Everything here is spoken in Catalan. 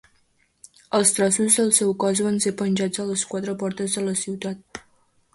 Els trossos del seu cos van ser penjats a les quatre portes de la ciutat.